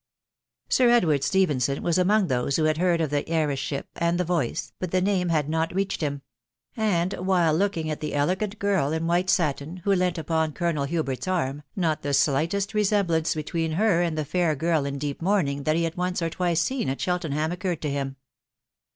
Sir Edward Stephenson was among those who had heard of the hejress ship» and die voice, but the name had not reached him ; and while looking at the elegant girl in white.' satin, who lent upon Colonel Hubert's arm, not the sfighteat resem blance between her and the fair gin m deep mourmmg mat he had once or twice seen at Cheltenham occurred to him.